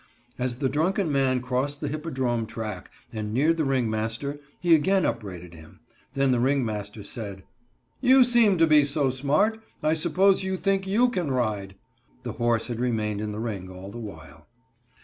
As the drunken man crossed the hippodrome track, and neared the ringmaster, he again upbraided him. Then the ringmaster said: "You seem to be so smart, I suppose you think you can ride." The horse had remained in the ring all the while.